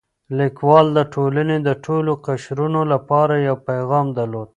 لیکوال د ټولنې د ټولو قشرونو لپاره یو پیغام درلود.